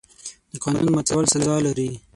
د قانون ماتول سزا لري.